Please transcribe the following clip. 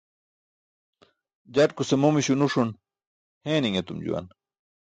Jatkuse momiśo nuṣun heeni̇ṅ etum juwan.